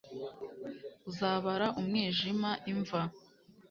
Uzabara umwijima imva